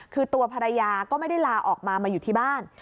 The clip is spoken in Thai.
คือตัวภรรยาก็ไม่ได้ลาออกมามาอยู่ที่บ้าน